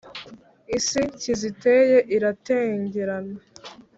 Isi kiziteye iratengerana,